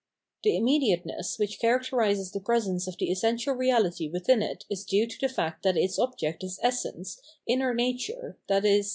* The immediateness which characterises the presence of the essential reality within it is due to the fact that its object is essence, inner nature, i.e.